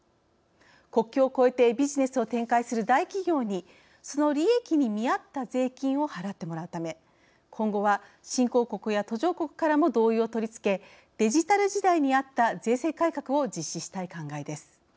国境を越えてビジネスを展開する大企業にその利益に見合った税金を払ってもらうため今後は新興国や途上国からも同意を取りつけデジタル時代にあった税制改革を実施したい考えです。